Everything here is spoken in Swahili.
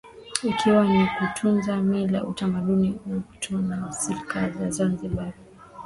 Ikiwa ni kutunza Mila utamaduni utu na silka za Zanzibar